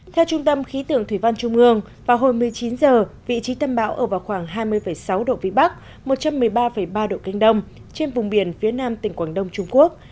theo trung tâm khí tượng thủy văn trung ương vào hồi một mươi chín h vị trí tâm bão ở vào khoảng hai mươi sáu độ vĩ bắc một trăm một mươi ba ba độ kinh đông trên vùng biển phía nam tỉnh quảng đông trung quốc